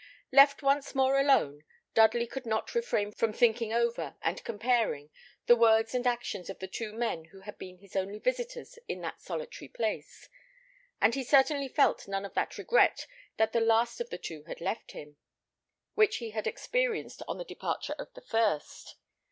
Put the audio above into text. Left once more alone, Dudley could not refrain from thinking over and comparing the words and actions of the two men who had been his only visitors in that solitary place, and he certainly felt none of that regret that the last of the two had left him, which he had experienced on the departure of the first.